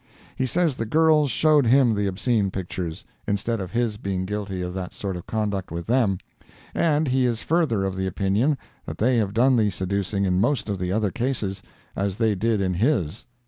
He says the girls showed him the obscene pictures, instead of his being guilty of that sort of conduct with them, and he is further of the opinion that they have done the seducing in most of the other cases, as they did in his.